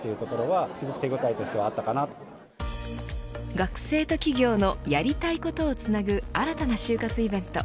学生と企業のやりたいことをつなぐ新たな就活イベント。